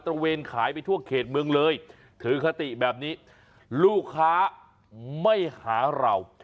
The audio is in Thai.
ระเวนขายไปทั่วเขตเมืองเลยถือคติแบบนี้ลูกค้าไม่หาเรา